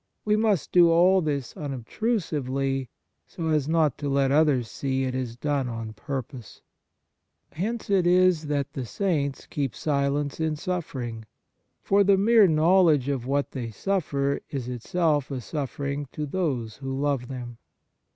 We must do all this unobtrusively, so as not to let others see it is done on purpose. Hence it is that the saints keep silence in suffering ; for the mere knowledge of what they suffer is itself a suffering to those who love them.